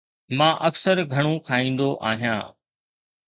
مان اڪثر گهڻو کائيندو آهيان